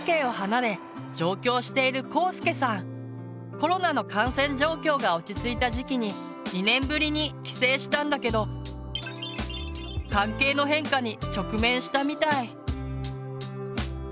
コロナの感染状況が落ち着いた時期に２年ぶりに帰省したんだけど関係の変化に直面したみたい。